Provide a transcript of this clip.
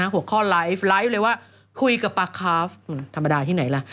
หัวข้อไลฟ์ไลฟ์เลยว่าคุยกับปลาคาฟธรรมดาที่ไหนล่ะ